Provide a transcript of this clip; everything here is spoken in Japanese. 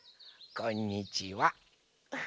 こんにちは。